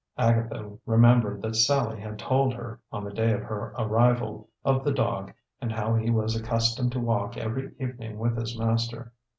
Agatha remembered that Sallie had told her, on the day of her arrival, of the dog, and how he was accustomed to walk every evening with his master.